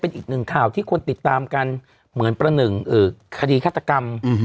เป็นอีกหนึ่งข่าวที่คนติดตามกันเหมือนประหนึ่งคดีฆาตกรรม